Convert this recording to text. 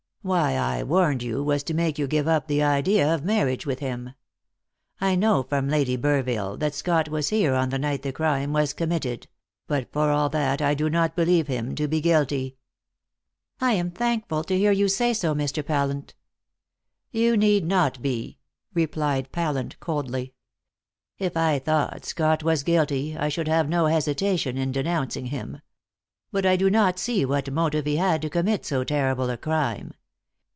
Why I warned you was to make you give up the idea of marriage with him. I know from Lady Burville that Scott was here on the night the crime was committed; but for all that I do not believe him to be guilty." "I am thankful to hear you say so, Mr. Pallant." "You need not be," replied Pallant coldly. "If I thought Scott was guilty, I should have no hesitation in denouncing him. But I do not see what motive he had to commit so terrible a crime.